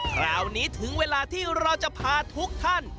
คราวนี้ถึงเวลาที่เราจะพาทุกท่าน